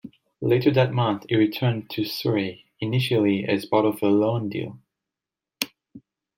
Later that month, he returned to Surrey, initially as part of a loan deal.